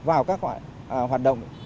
vào các hoạt động